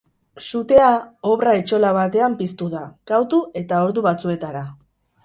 Sutea obra-etxola batean piztu da, gautu eta ordu batzuetara.